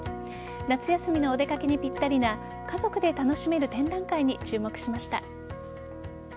夏休みのお出かけにぴったりな家族で楽しめる展覧会に注目しました。